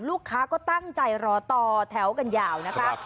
ลูกค้าก็ตั้งใจรอต่อแถวกันยาวนะคะ